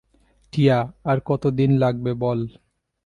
টিয়া, আর কত দিন লাগবে বল?